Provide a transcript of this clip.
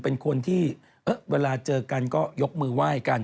เป็นคนที่เวลาเจอกันก็ยกมือไหว้กัน